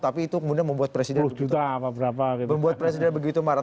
tapi itu kemudian membuat presiden begitu marah